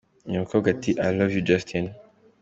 Uyu mukobwa ati: I Love u Justin!.